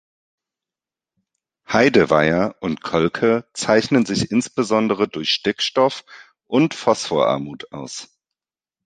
Heideweiher und Kolke zeichnen sich insbesondere durch Stickstoff- und Phosphor-Armut aus.